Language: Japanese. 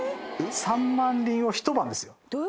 ３万輪を一晩ですよ